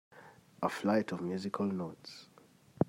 A flight of musical notes.